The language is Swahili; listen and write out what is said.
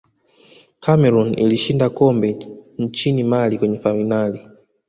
cameroon ilishinda kombe nchini mali kwenye fainali